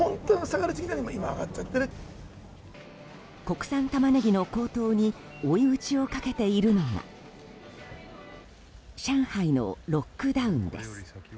国産タマネギの高騰に追い打ちをかけているのが上海のロックダウンです。